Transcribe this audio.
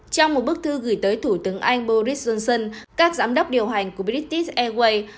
trong một bức thư gửi tới thủ tướng anh boris johnson các giám đốc điều hành của britis airways